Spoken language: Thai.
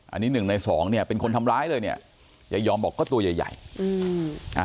อันนี้หนึ่งในสองเนี้ยเป็นคนทำร้ายเลยเนี่ยยายอมบอกก็ตัวใหญ่ใหญ่อืมอ่า